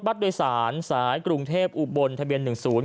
บัดโดยสารสายกรุงเทพอุบลทะเบียนหนึ่งศูนย์